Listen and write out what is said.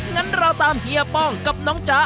งั้นเราตามเฮียป้องกับน้องจ๊ะ